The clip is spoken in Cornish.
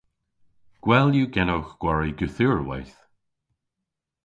Gwell yw genowgh gwari gorthugherweyth.